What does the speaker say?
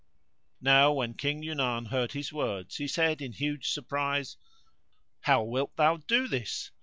Now when King Yunan heard his words he said in huge surprise, "How wilt thou do this?